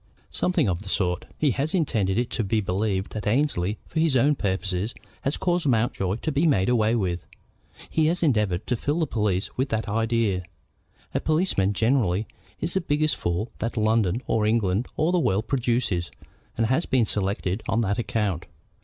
"Something of the sort. He has intended it to be believed that Annesley, for his own purposes, has caused Mountjoy to be made away with. He has endeavored to fill the police with that idea. A policeman, generally, is the biggest fool that London, or England, or the world produces, and has been selected on that account.